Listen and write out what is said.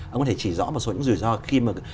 ông có thể chỉ rõ một số những rủi ro khi mà